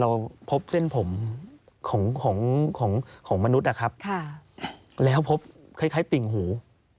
เราพบเส้นผมของของของของมนุษย์อะครับค่ะแล้วพบคล้ายคล้ายติ่งหู